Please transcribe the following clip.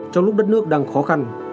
trong lúc đất nước đang khó khăn